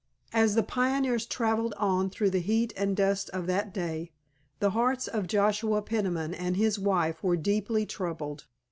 As the pioneers traveled on through the heat and dust of that day the hearts of Joshua Peniman and his wife were deeply troubled.